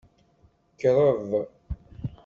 Kreḍ.